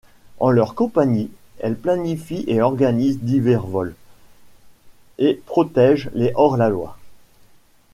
En leur compagnie, elle planifie et organise divers vols, et protège les hors-la-loi.